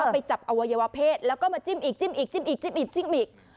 ไปจับอวัยวะเพศแล้วก็มาจิ้มอีกจิ้มอีกจิ้มอีกจิ้มอีกจิ้มอีก